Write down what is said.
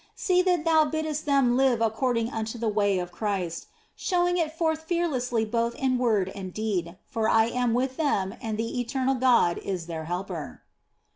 See that thou biddest them live according unto the way of Christ, showing it forth fearlessly both in word and deed ; for I am with them and the Eternal God is their Helper."